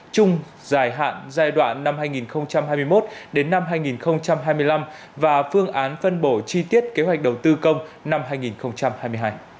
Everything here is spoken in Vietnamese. trung dài hạn giai đoạn năm hai nghìn hai mươi một đến năm hai nghìn hai mươi năm và phương án phân bổ chi tiết kế hoạch đầu tư công năm hai nghìn hai mươi hai